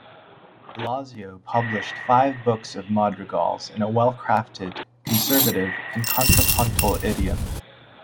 Bellasio published five books of madrigals, in a well-crafted, conservative and contrapuntal idiom.